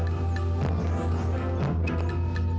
saat setengah pagi luz